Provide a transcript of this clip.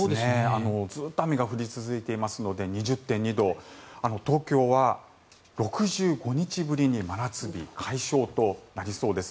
ずっと雨が降り続いていますので２０．２度東京は６５日ぶりに真夏日解消となりそうです。